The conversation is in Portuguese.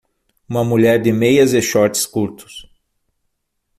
Uma mulher de meias e shorts curtos.